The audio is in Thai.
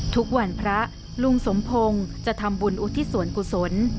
ทุกวันพระลุงสมพงศ์จะทำบุญอุทิศส่วนกุศล